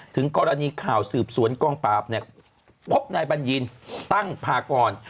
ถึงกรณีข่าวสืบสวนกองปราบเนี่ยพบนายบัญญินตั้งพากร